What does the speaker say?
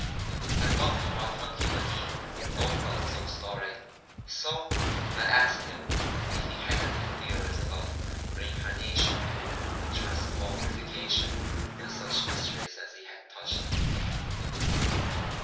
I wondered what Hunky Magee thought about his own story; so I asked him if he had any theories about reincarnation and transmogrification and such mysteries as he had touched upon.